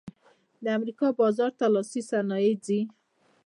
د امریکا بازار ته لاسي صنایع ځي